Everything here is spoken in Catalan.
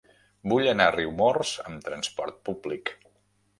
Vull anar a Riumors amb trasport públic.